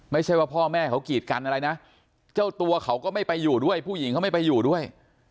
ไม่ใช่ว่าพ่อแม่เขากีดกันอะไรนะเจ้าตัวเขาก็ไม่ไปอยู่ด้วยผู้หญิงเขาไม่ไปอยู่ด้วย